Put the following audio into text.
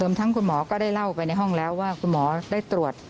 ทั้งคุณหมอก็ได้เล่าไปในห้องแล้วว่าคุณหมอได้ตรวจ